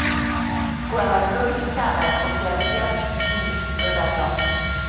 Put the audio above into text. Gwelem groes garreg o gerfiad tlws ryfeddol.